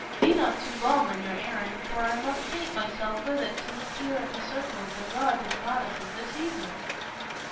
Be not too long on your errand, for I must paint myself with it to appear at the circle of the gods and goddesses this evening."